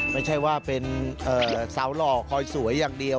ไม่ใช่ว่าเป็นสาวหล่อคอยสวยอย่างเดียว